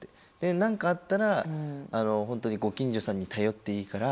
「何かあったら本当にご近所さんに頼っていいから。